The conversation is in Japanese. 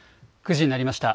９時になりました。